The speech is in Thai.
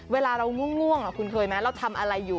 เวลาเราง่วงคุณเคยไหมเราทำอะไรอยู่